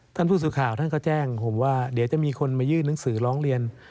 ท่านผู้สื่อข่าวท่านก็แจ้งผมว่าเดี๋ยวจะมีคนมายื่นหนังสือร้องเรียน